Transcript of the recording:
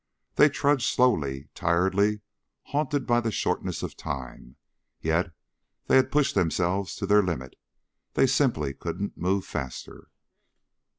They trudged slowly, tiredly, haunted by the shortness of time, yet they had pushed themselves to their limit. They simply couldn't move faster.